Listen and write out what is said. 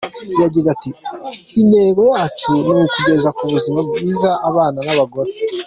Yagize ati” Intego yacu ni ukugeza ku buzima bwiza abana n’abagore.